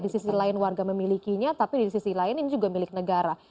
di sisi lain warga memilikinya tapi di sisi lain ini juga milik negara